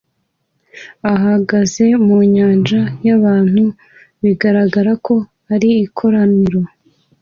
ahagaze mu nyanja yabantu bigaragara ko ari ikoraniro